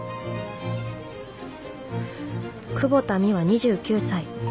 久保田ミワ２９歳。